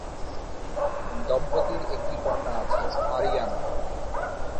দম্পতির একটি কন্যা আছে, আয়ইয়ানা।